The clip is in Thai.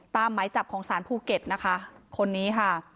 หมายจับของสารภูเก็ตนะคะคนนี้ค่ะ